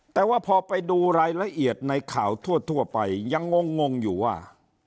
แต่ว่าพอไปดูรายละเอียดในข่าวทั่วไปยังงงอยู่ว่า